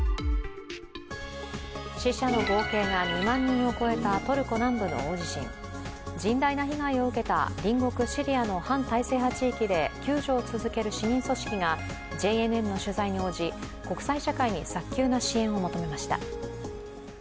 死者の合計が２万人を超えたトルコ南部の大地震甚大な被害を受けた隣国シリアで救助を続ける市民組織がＪＮＮの取材に応じ国際社会に早急な支援を求めました。